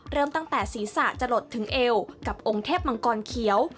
เริ่มตั้งแต่ศีรษะจะหลดถึงเอวกับองค์เทพมังกรเขียว